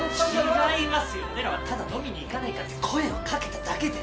俺らはただ飲みに行かないかって声をかけただけで！